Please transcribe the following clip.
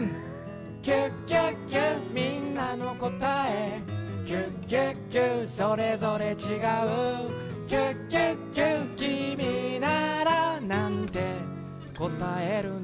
「キュキュキュみんなのこたえ」「キュキュキュそれぞれちがう」「キュキュキュきみならなんてこたえるの？」